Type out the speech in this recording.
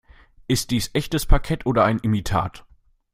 Ist dies echtes Parkett oder ein Imitat?